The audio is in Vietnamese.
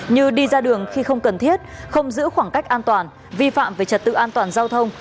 như đi ra đường khi không cần thiết không giữ khoảng cách an toàn vi phạm về trật tự an toàn giao thông